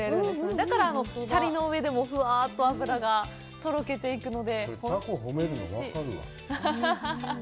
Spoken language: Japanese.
だから舎利の上でもふわっと脂がとろけていくので。